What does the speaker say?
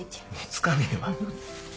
付かねえわ。